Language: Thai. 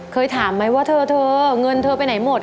เคยถามไหมว่าเธอเงินเธอไปไหนหมด